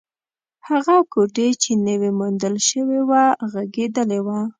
هغه کوټې چې نوې موندل شوې وه، غږېدلې وه.